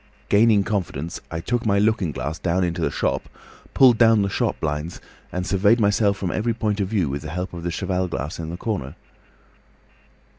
Gathering confidence, I took my looking glass down into the shop, pulled down the shop blinds, and surveyed myself from every point of view with the help of the cheval glass in the corner.